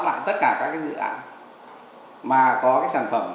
làm tất cả các dự án mà có cái sản phẩm